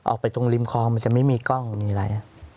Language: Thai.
ออกไปตรงริมคลองมันจะไม่มีกล้องมีอะไร